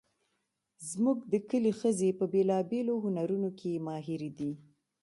زموږ د کلي ښځې په بیلابیلو هنرونو کې ماهرې دي